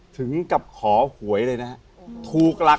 ถึงกับขอหวยเลยนะฮะถูกหลัก